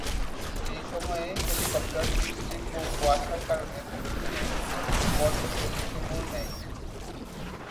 এই সময়ে হেলিকপ্টারটি তীব্র কুয়াশার কারণে দক্ষিণে পর্বতের দিকে মোড় নেয়।